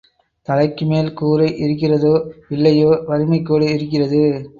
தலைக்குமேல் கூரை இருக்கிறதோ இல்லையோ வறுமைக்கோடு இருக்கிறது.